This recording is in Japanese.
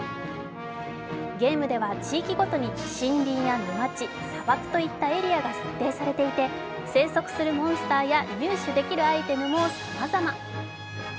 ゲームでは地域ごとに森林や町、砂漠といったエリアが設定されていて生息するモンスターや入手できるアイテムもさまざま。